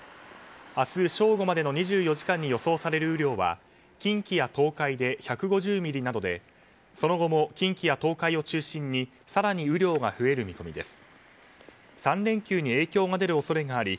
明日正午までの２４時間に予想される雨量は近畿や東海で１５０ミリなどでその後も近畿や東海を中心に更に雨量が増える見込みです。